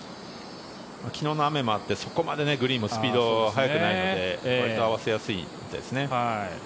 昨日の雨もあってそこまでグリーンもスピードが入っていないのでわりと合わせやすいですね。